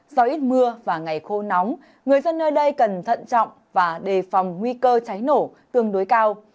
do ít mưa và ngày khô nóng người dân nơi đây cần thận trọng và đề phòng nguy cơ cháy nổ tương đối cao